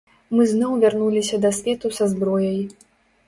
Мы зноў вярнуліся да свету са зброяй.